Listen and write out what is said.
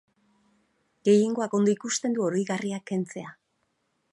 Gehiengoak ondo ikusten du oroigarriak kentzea.